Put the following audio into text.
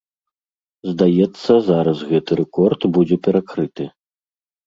Здаецца, зараз гэты рэкорд будзе перакрыты.